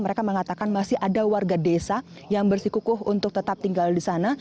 mereka mengatakan masih ada warga desa yang bersikukuh untuk tetap tinggal di sana